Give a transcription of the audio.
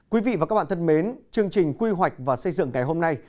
quý vị và các bạn thân mến chương trình quy hoạch và xây dựng ngày hôm nay